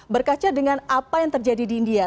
berkaca dengan apa yang terjadi di india